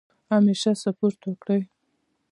همیشه سپورټ وکړئ.